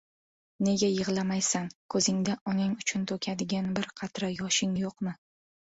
Nega yig‘lamaysan? Ko‘zingda onang uchun to‘kadigan bir qatra yoshing yo‘qmi?..